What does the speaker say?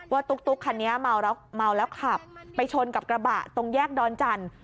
ตุ๊กคันนี้เมาแล้วขับไปชนกับกระบะตรงแยกดอนจันทร์